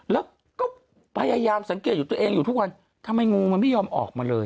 แล้วก็พยายามสังเกตอยู่ตัวเองอยู่ทุกวันทำไมงูมันไม่ยอมออกมาเลย